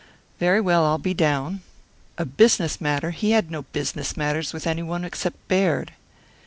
"Very well, I'll be down." A business matter? He had no business matters with any one except Baird.